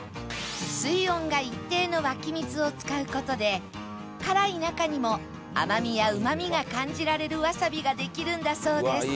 水温が一定の湧き水を使う事で辛い中にも甘みやうまみが感じられるわさびができるんだそうです